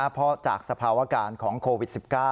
เพราะจากสภาวะการของโควิด๑๙